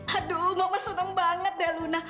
aduh mama seneng banget deh luna